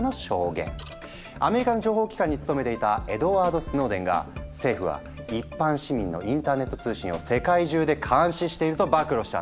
アメリカの情報機関に務めていたエドワード・スノーデンが政府は一般市民のインターネット通信を世界中で監視していると暴露したんだ。